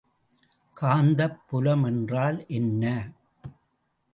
காந்தப் புலம் என்றால் என்ன?